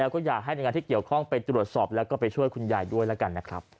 แล้วก็อยากให้หน่วยงานที่เกี่ยวข้องไปตรวจสอบแล้วก็ไปช่วยคุณยายด้วยแล้วกันนะครับ